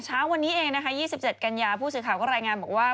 เช้าวันนี้เองนะคะ๒๗กันยาผู้สื่อข่าวก็รายงานบอกว่า